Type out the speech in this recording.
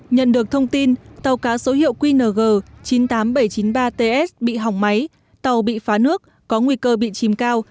nhận được thông tin tàu cá số hiệu qng chín mươi tám nghìn bảy trăm chín mươi ba ts bị hỏng máy tàu bị phá nước có nguy cơ bị chìm cao